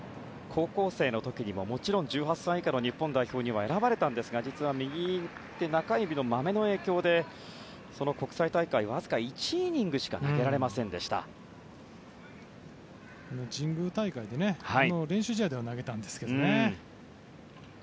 高校生の時にも、もちろん１８歳以下の日本代表には選ばれたんですが実は右手中指の、まめの影響でその国際大会はわずか１イニングしか神宮大会の練習試合では投げたんですけどね。